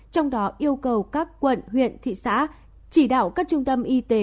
trong đó yêu cầu các quận huyện thị xã chỉ đạo các trung tâm y tế